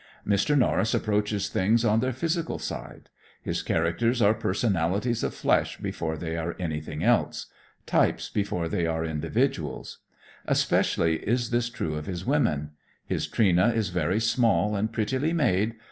Mr. Norris approaches things on their physical side; his characters are personalities of flesh before they are anything else, types before they are individuals. Especially is this true of his women. His Trina is "very small and prettily made.